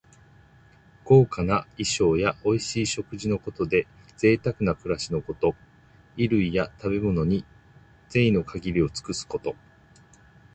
豪華な衣装やおいしい食事のことで、ぜいたくな暮らしのこと。衣類や食べ物に、ぜいの限りを尽くすこと。